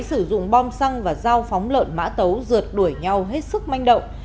sử dụng bom xăng và dao phóng lợn mã tấu rượt đuổi nhau hết sức manh động